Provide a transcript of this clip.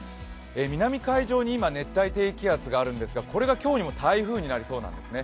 南海上に今、熱帯低気圧があるんですが、これが今日にも台風になりそうなんですね。